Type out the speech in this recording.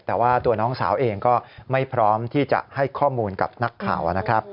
แต่ว่าตัวน้องสาวเองก็ไม่พร้อมที่จะให้ข้อมูลกับนักข่าวนะครับ